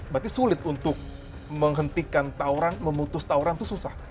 berarti sulit untuk menghentikan tauran memutus tauran tuh susah